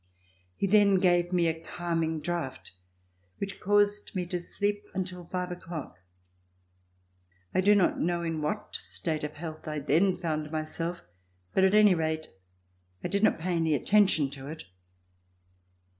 He then gave me a calming draft which caused me to sleep until five o'clock. I do not know in what state of health I then found myself, but at any rate I did not pay any attention to it.